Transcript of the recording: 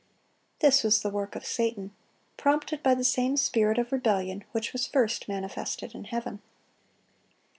This was the work of Satan, prompted by the same spirit of rebellion which was first manifested in heaven.